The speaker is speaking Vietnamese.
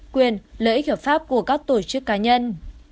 quyền lợi ích hợp pháp của các tổ chức cá nhân